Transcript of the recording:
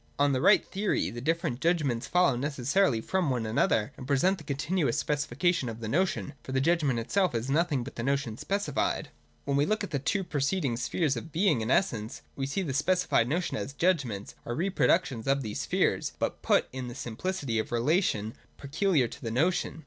On the right theory, the different judg ments follow necessarily from one another, and present the continuous specification of the notion ; for the judg ment itself is nothing but the notion specified. When we look at the two preceding spheres of Being and Essence, we see that the specified notions as judg ments are reproductions of these spheres, but put in the simplicity of relation peculiar to the notion.